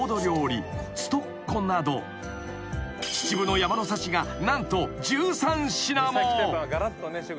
［秩父の山の幸が何と１３品も］